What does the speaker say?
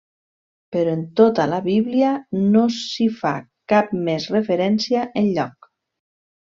Però en tota la Bíblia no s'hi fa cap més referència enlloc.